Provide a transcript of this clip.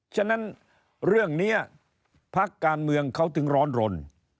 ฉะนั้นเรื่องนี้พักการเมืองเขาถึงร้อนรน